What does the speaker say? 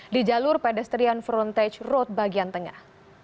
di jalur pedestrian frontage road bagian tengah